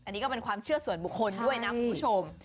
อันนี้ก็เป็นความเชื่อส่วนบุคคลด้วยนะคุณผู้ชม